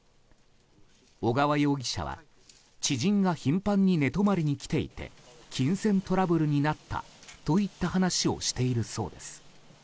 小川容疑者は知人が頻繁に寝泊まりに来ていて金銭トラブルになったといった話をしているそうです。